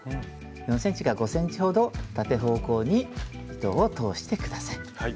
４ｃｍか５ｃｍほど縦方向に糸を通して下さい。